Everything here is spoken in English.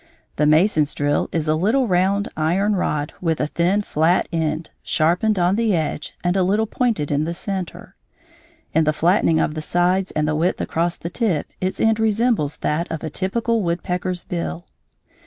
The mason's drill is a round iron rod with a thin, flat end, sharpened on the edge and a little pointed in the centre. In the flattening of the sides and the width across the tip its end resembles that of a typical woodpecker's bill.